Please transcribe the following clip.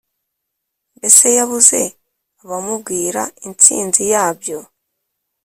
mbese yabuze abamubwira intsinzi yabyo?”